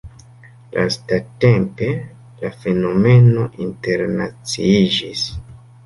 Lastatempe la fenomeno internaciiĝis.